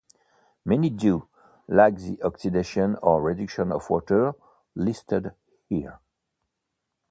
Many do, like the oxidation or reduction of water listed here.